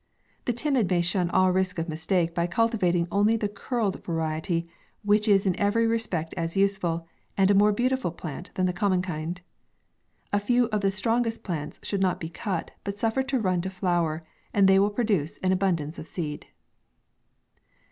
The timid may shun all risk of mistake by cultivating only the curled variety, which is in every respect as useful, and a more beautiful plant than the common kind. A few of the strongest plants should not be cut, but suffered to run to flower, and they will produce an abundance of seed.